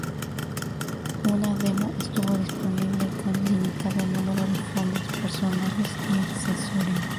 Una demo estuvo disponible, con limitado número de fondos, personajes y accesorios.